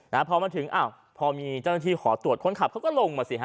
และพอมาถึงอ่าวพอมีที่ขอตรวจค้นขับเขาก็ลงมาสิครับ